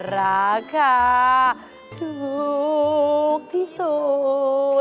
ราคาถูกที่สุด